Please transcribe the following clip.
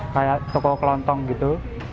kayak toko kelontong gitu